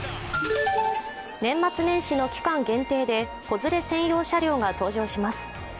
年末年始の期間限定で子連れ専用車両が登場します。